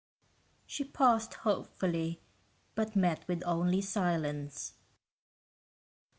She paused hopefully, but met with only silence.